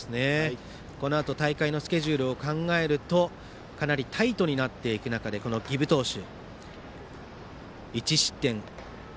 このあと大会のスケジュールを考えるとかなりタイトになっていく中で儀部投手が１失点。